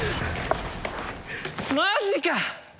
マジか。